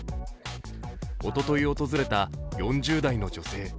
おととい訪れた４０代の女性。